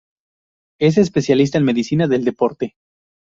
Es especialista en medicina del deporte.